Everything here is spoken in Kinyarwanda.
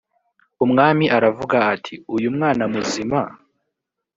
umwami aravuga ati uyu mwana muzima